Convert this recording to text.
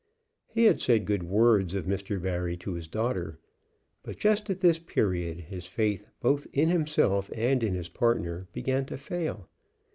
He had said good words of Mr. Barry to his daughter, but just at this period his faith both in himself and in his partner began to fail.